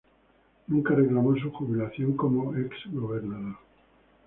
Nunca reclamó su jubilación como ex gobernador.